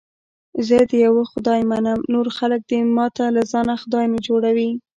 زه د یوه خدای منم، نور خلک دې ماته له ځانه خدای نه جوړي.